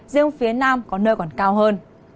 riêng phía nam có nơi còn cao hơn